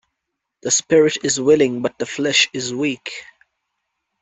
The spirit is willing but the flesh is weak.